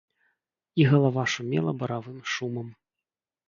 І галава шумела баравым шумам.